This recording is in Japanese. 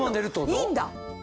いいんだ！